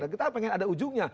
kita pengen ada ujungnya